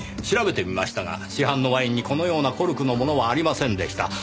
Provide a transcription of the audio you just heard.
調べてみましたが市販のワインにこのようなコルクのものはありませんでした。